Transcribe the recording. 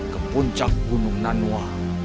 ke puncak gunung nanua